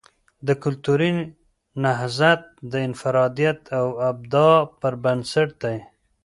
د کلتوری نهضت د انفرادیت او ابداع پر بنسټ دی.